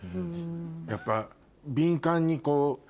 やっぱ。